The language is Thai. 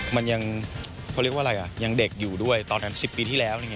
มันยังเขาเรียกว่าอะไรอ่ะยังเด็กอยู่ด้วยตอนนั้น๑๐ปีที่แล้ว